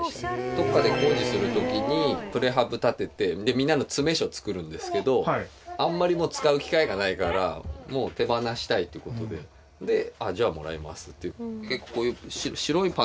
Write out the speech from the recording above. どこかで工事する時にプレハブ建ててみんなの詰所を作るんですけどあんまり使う機会がないからもう手放したいという事ででじゃあもらいますって。